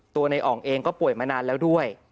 ในอ่องเองก็ป่วยมานานแล้วด้วย